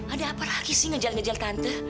ada apa lagi sih ngejel ngejel tante